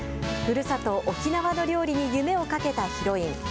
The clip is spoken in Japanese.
ふるさと沖縄の料理に夢をかけたヒロイン。